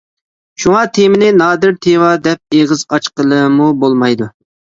شۇڭا تېمىنى نادىر تېما دەپ ئېغىز ئاچقىلىمۇ بولمايدۇ.